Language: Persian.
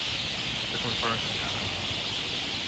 به کنفرانس می روم.